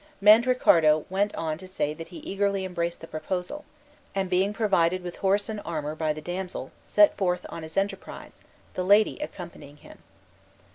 '" Mandricardo went on to say that he eagerly embraced the proposal, and being provided with horse and armor by the damsel, set forth on his enterprise, the lady accompanying him.